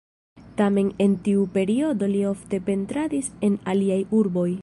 Tamen en tiu periodo li ofte pentradis en aliaj urboj.